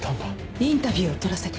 インタビューを撮らせて。